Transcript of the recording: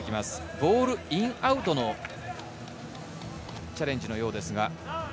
ボールインアウトのチャレンジのようです。